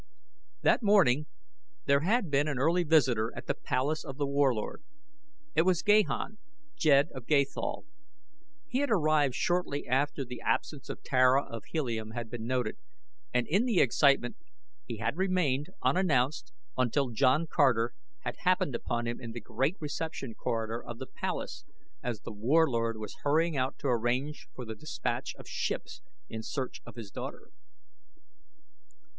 That morning there had been an early visitor at the palace of The Warlord. It was Gahan, Jed of Gathol. He had arrived shortly after the absence of Tara of Helium had been noted, and in the excitement he had remained unannounced until John Carter had happened upon him in the great reception corridor of the palace as The Warlord was hurrying out to arrange for the dispatch of ships in search of his daughter.